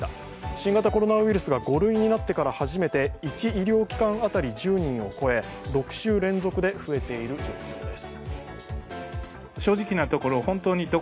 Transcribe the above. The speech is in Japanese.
新型コロナウイルスが５類になってから初めて１医療機関当たり１０人を超え６週連続で増えている状況です。